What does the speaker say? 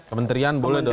kementerian boleh dong